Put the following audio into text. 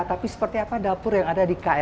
tapi seperti apa dapur yang ada di krl